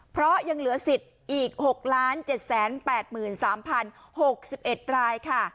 เพราะยังเหลือสิทธิ์อีก๖๗๘๓๐๖๑รายค่ะ